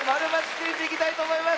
○×クイズ」いきたいとおもいます！